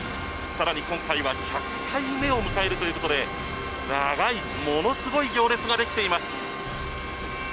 更に今回は１００回目を迎えるということで長い、ものすごい行列ができています。